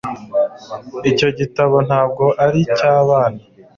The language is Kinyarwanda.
icyo gitabo ntabwo ari icy'abana